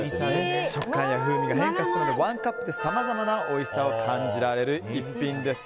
食感や風味が変化するのでワンカップでさまざまなおいしさを感じられる一品です。